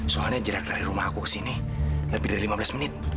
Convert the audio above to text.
soalnya jarak dari rumah aku ke sini lebih dari lima belas menit